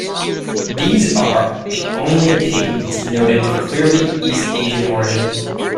These are the only "pygmies" noted of clearly East Asian origin.